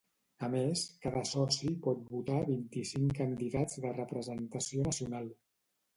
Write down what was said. A més, cada soci pot votar vint-i-cinc candidats de representació nacional.